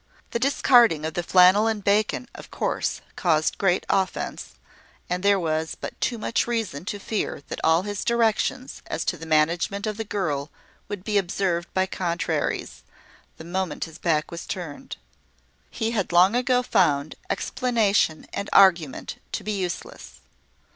The discarding of the flannel and bacon, of course, caused great offence; and there was but too much reason to fear that all his directions as to the management of the girl would be observed by contraries, the moment his back was turned. He had long ago found explanation and argument to be useless.